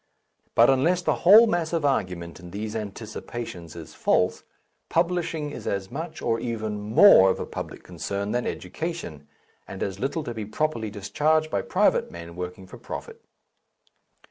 But unless the whole mass of argument in these Anticipations is false, publishing is as much, or even more, of a public concern than education, and as little to be properly discharged by private men working for profit.